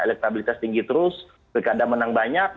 elektabilitas tinggi terus mereka ada menang banyak